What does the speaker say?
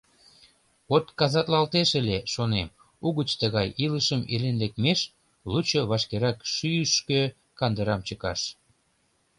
Отказатлалтеш ыле, шонем, угыч тыгай илышым илен лекмеш — лучо вашкерак шӱйышкӧ кандырам чыкаш.